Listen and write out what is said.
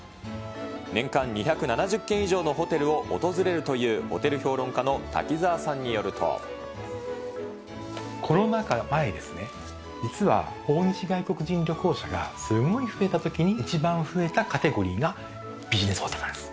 年間２７０軒以上のホテルを訪れるという、ホテル評論家の瀧澤さコロナ禍前ですね、実は訪日外国人旅行者がすんごい増えたときに一番増えたカテゴリーがビジネスホテルなんです。